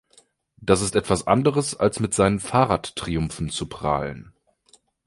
Das ist etwas anderes, als mit seinen Fahrrad-Triumphen zu prahlen.